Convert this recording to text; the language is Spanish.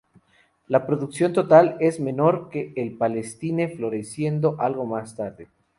La producción total es menor que el Palestine, floreciendo algo más tarde.